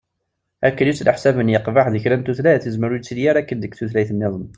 Ayen ittneḥsaben yeqbeḥ di kra n tutlayt, yezmer ur yettili ara akken deg tutlayt-nniḍen.